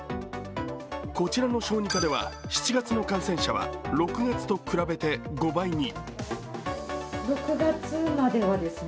こちらの小児科では７月の感染者は６月と比べて５倍に。